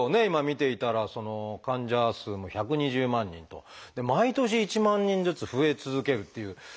今見ていたら患者数も１２０万人と。で毎年１万人ずつ増え続けるっていう。